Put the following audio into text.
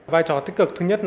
vai trò tích cực thứ nhất